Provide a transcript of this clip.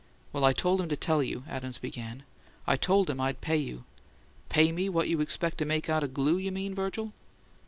"Well, I told him to tell you," Adams began; "I told him I'd pay you " "Pay me what you expect to make out o' glue, you mean, Virgil?"